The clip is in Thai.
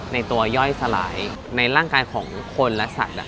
ในตัวย่อยสลายในร่างกายของคนและสัตว์